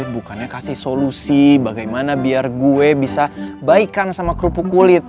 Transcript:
bukannya kasih solusi bagaimana biar gue bisa baikan sama kerupuk kulit